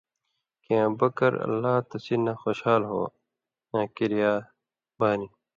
کھیں ابوبکر (اللہ تسیۡ نہ خوشال ہو) اں کِریا بانیۡ